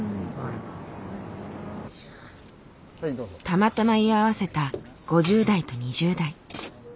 たまたま居合わせた５０代と２０代。